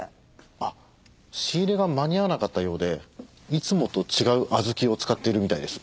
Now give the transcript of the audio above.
あっ仕入れが間に合わなかったようでいつもと違う小豆を使っているみたいです。